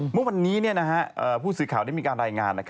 เมื่อวันนี้ผู้สื่อข่าวได้มีการรายงาน